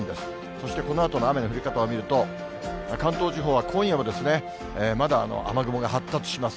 そしてこのあとの雨の降り方を見ると、関東地方は今夜も、まだ雨雲が発達します。